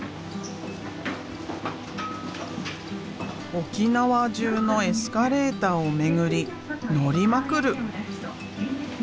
沖縄中のエスカレーターを巡り乗りまくる。